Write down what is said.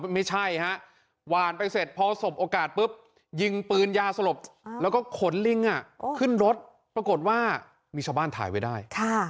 มันมาทั้งไหนด้วย